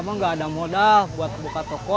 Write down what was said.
emang gak ada modal buat buka toko